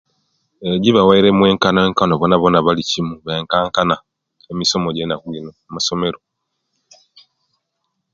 Eeehe gibawaire omwekanonkano bonabona bali kimo benkanankana emisomo gye'nnaku gyino amasomero